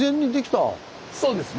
そうですね。